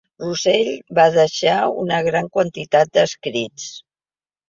Russell va deixar una gran quantitat d'escrits.